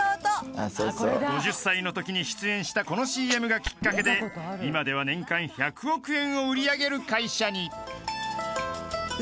［５０歳のときに出演したこのＣＭがきっかけで今では年間１００億円を売り上げる会社に］